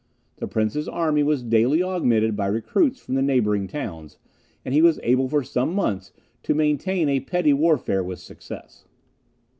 The Prince's army was daily augmented by recruits from the neighbouring towns; and he was able for some months to maintain a petty warfare with success.